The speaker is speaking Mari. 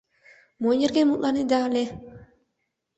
Мо нерген мутланынеда ыле?